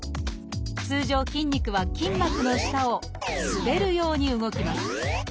通常筋肉は筋膜の下を滑るように動きます。